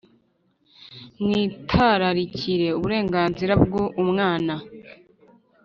mwitararikire uburenganzira bwu umwana